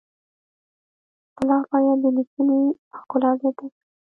اصطلاح باید د لیکنې ښکلا زیاته کړي